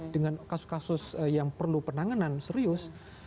dengan kasus kasus yang perlu penanganan serius